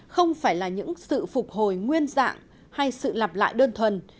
không phải là những sự phục hồi nguyên dạng hay sự lặp lại đơn thuần